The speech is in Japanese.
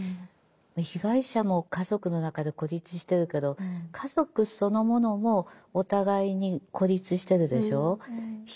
被害者も家族の中で孤立してるけど家族そのものもお互いに孤立してるでしょう。